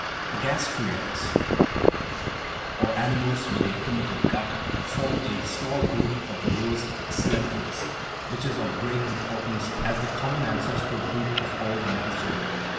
The gastraeads (or animals with a primitive gut) form a small group of the lowest coelenterates, which is of great importance as the common ancestral group of all the metazoa.